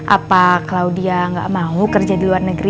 apa claudia gak mau kerja di luar negeri